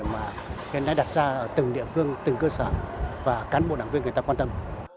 mà hiện nay đặt ra ở từng địa phương từng cơ sở và cán bộ đảng viên người ta quan tâm